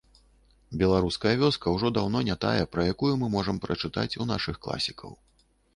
Беларуская вёска ўжо даўно не тая, пра якую мы можам прачытаць у нашых класікаў.